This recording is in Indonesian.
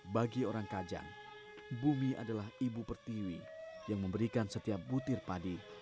bagi orang kajang bumi adalah ibu pertiwi yang memberikan setiap butir padi